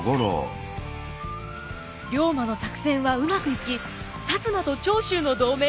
龍馬の作戦はうまくいき摩と長州の同盟が成立。